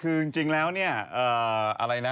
คือจริงแล้วเนี่ยอะไรนะ